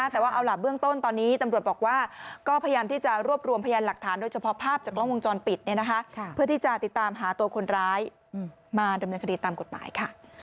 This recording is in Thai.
เพื่อที่จะติดตามหาตัวคนร้ายมาดำเนินคดีตามกฎหมายค่ะ